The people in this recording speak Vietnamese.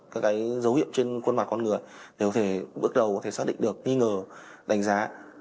các cái dấu hiệu trên khuôn mặt con người để có thể bước đầu có thể xác định được nghi ngờ đánh giá